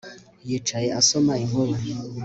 Yicaye asoma inkuru